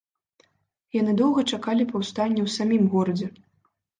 Яны доўга чакалі паўстання ў самім горадзе.